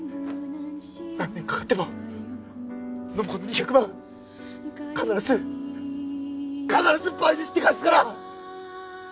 何年かかっても暢子の２００万必ず必ず倍にして返すから！